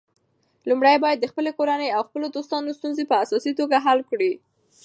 لومړی باید د خپلې کورنۍ او خپلو دوستانو ستونزې په اساسي توګه حل کړې.